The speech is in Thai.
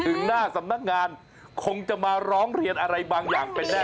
ถึงหน้าสำนักงานคงจะมาร้องเรียนอะไรบางอย่างเป็นแน่